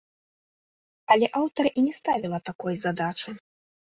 Але аўтар і не ставіла такой задачы.